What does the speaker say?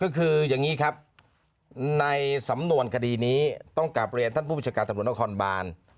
ก็คืออย่างนี้ครับในสำนวนคดีนี้ต้องกลับเรียนท่านผู้ประชาการตำรวจนครบาน